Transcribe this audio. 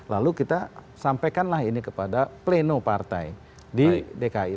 lalu kita sampaikanlah ini kepada pleno partai di dki